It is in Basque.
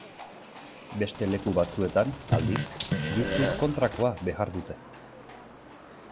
Beste leku batzuetan, aldiz, justu kontrakoa behar dute.